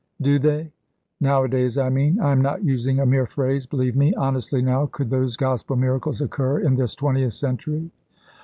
"Do they? Nowadays, I mean. I am not using a mere phrase, believe me. Honestly now, could those Gospel miracles occur in this twentieth century?"